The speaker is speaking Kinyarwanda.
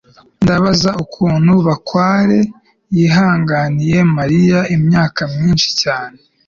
ndabaza ukuntu bakware yihanganiye mariya imyaka myinshi cyane